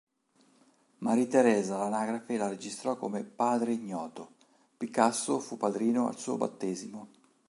Marie-Thérèse all'angrafe la registrò come "padre ignoto"; Picasso fu padrino al suo battesimo.